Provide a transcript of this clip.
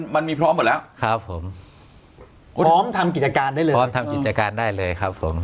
มันมีพร้อมหมดแล้วครับผมพร้อมทำกิจการได้เลยพร้อมทำกิจการได้เลยครับผม